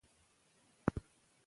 لیکوال باید د ژبې اصول وپیژني.